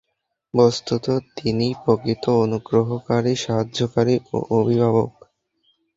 বস্তুত তিনিই প্রকৃত অনুগ্রহকারী, সাহায্যকারী ও অভিভাবক।